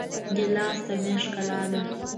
ګیلاس د میز ښکلا ده.